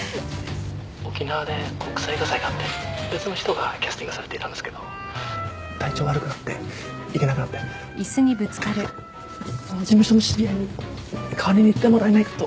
沖縄で国際映画祭があって別の人がキャスティングされていたんですけど体調悪くなって行けなくなってその事務所の知り合いに代わりに行ってもらえないかと。